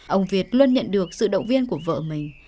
ông việt luôn nhận được sự động viên của vợ mình